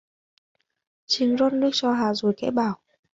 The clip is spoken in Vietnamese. Chinh rót nước cho Hà rồi khẽ bảo